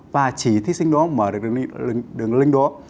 và chỉ thí sinh đó mở được đường link đó